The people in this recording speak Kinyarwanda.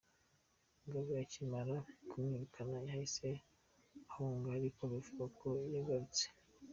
Mugabe akimara kumwirukana yahise ahunga ariko bivugwa ko yagarutse.